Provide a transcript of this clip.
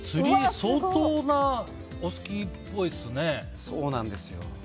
相当、お好きっぽいですね。